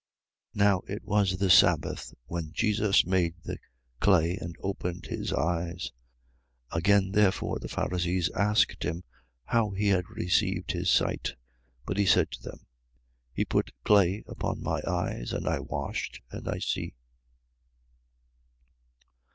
9:14. Now it was the sabbath, when Jesus made the clay and opened his eyes. 9:15. Again therefore the Pharisees asked him how he had received his sight. But he said to them: He put clay upon my eyes: and I washed: and I see.